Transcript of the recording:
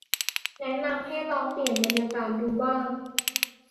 แนะนำให้ลองเปลี่ยนบรรยากาศดูบ้าง